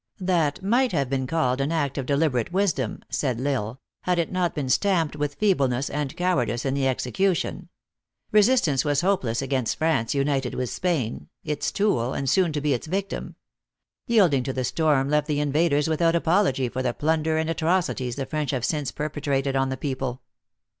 " That might have been called an act of deliberate wisdom," said L Isle, "had it not been stamped with feebleness and cowardice in the execution. Resist ance was hopeless against France united with Spain, its tool, and soon to be its victim. Yielding to the storm left the invaders without apology for the plun der and atrocities the French have since perpetrated on the people.